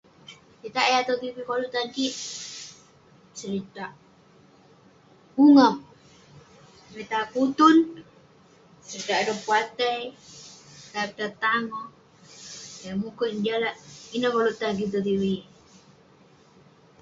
Seritak yah tong tv koluk tan kik, seritak ungap, seritak kutun, seritak ireh pepatai, tai pitah tangoh, ireh mukun ngejalak. Ineh koluk tan kek tong tv.